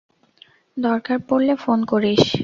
দরকার পড়লে ফোন করিস।